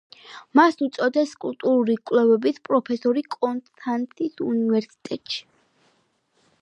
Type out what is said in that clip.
მას უწოდეს კულტურული კვლევების პროფესორი კონსტანცის უნივერსიტეტში.